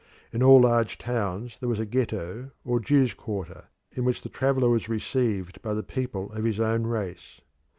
In all large towns there was a Ghetto or Jews' quarter, in which the traveller was received by the people of his own race.